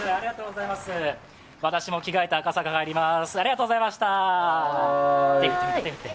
私も着替えて赤坂に帰ります。